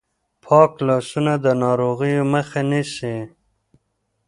پاک لاسونه د ناروغیو مخه نیسي.